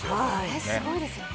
これすごいですよね。